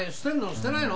捨てないの？